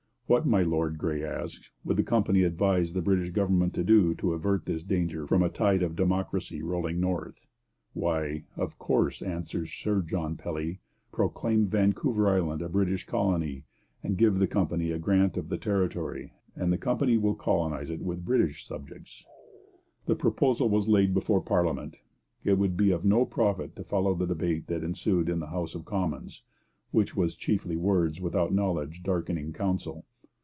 What, my Lord Grey asks, would the company advise the British government to do to avert this danger from a tide of democracy rolling north? Why, of course, answers Sir John Pelly, proclaim Vancouver Island a British colony and give the company a grant of the territory and the company will colonize it with British subjects. The proposal was laid before parliament. It would be of no profit to follow the debate that ensued in the House of Commons, which was chiefly 'words without knowledge darkening counsel.'